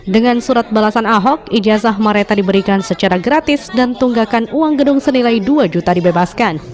dengan surat balasan ahok ijazah mareta diberikan secara gratis dan tunggakan uang gedung senilai dua juta dibebaskan